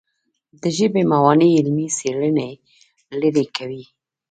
د ژبې موانع علمي څېړنې لیرې کوي.